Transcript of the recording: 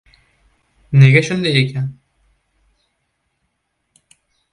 Nega shunday ekan?